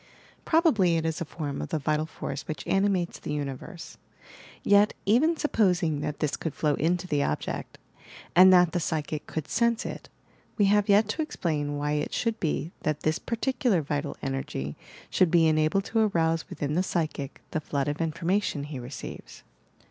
Probably it is a form of the vital force which animates the uni verse. Tet, even supposing that this could flow into the object, and that Ihe psychic could "sense" it, we have yet to explain why it should be that this particular 86 YOUR PSYCHIC POWERS vital energy should be enabled to arouse withm the pHychie the flood of information he receives.